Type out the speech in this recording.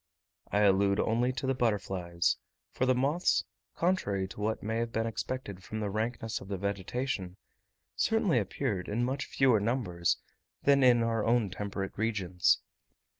I allude only to the butterflies; for the moths, contrary to what might have been expected from the rankness of the vegetation, certainly appeared in much fewer numbers than in our own temperate regions.